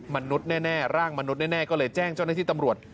มนุษย์แน่ร่างมนุษย์แน่ก็เลยแจ้งเจ้าหน้าที่ตำรวจ